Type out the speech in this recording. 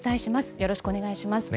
よろしくお願いします。